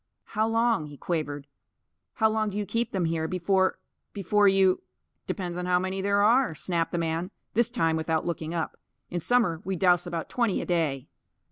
"How long," he quavered, "how long do you keep them here, before before you " "Depends on how many there are," snapped the man, this time without looking up. "In summer we dowse about twenty a day."